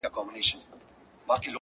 تار کي د هنر پېلي سپیني ملغلري دي,